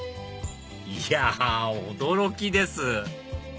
いや驚きです！